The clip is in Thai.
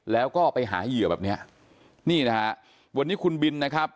แล้วก็ไปหาเหยื่อแบบเนี้ยนี่นะฮะวันนี้คุณบินนะครับ